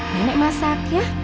nenek masak ya